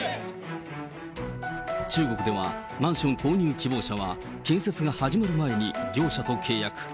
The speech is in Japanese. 中国ではマンション購入希望者は建設が始まる前に業者と契約。